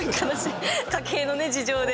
家計の事情で。